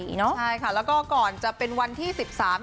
ใช่ค่ะแล้วก็ก่อนจะเป็นวันที่๑๓มิถุนายน